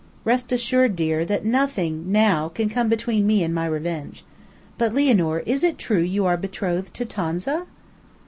"Rest assured, dear, that nothing now can come between me and my revenge. But, Lianor, is it true you are betrothed to Tonza?"